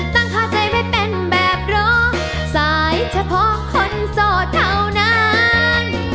ตั้งค่าใจไว้เป็นแบบรอสายเฉพาะคนโสดเท่านั้น